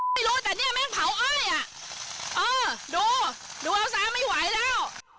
ไม่รู้แต่เนี่ยแม่งเผาอ้อยอ่ะเออดูดูเอาซะไม่ไหวแล้ว